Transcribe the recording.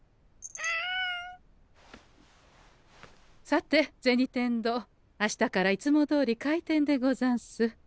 さて銭天堂明日からいつもどおり開店でござんす。